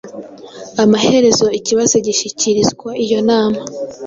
amaherezo ikibazo gishyikirizwa iyo nama.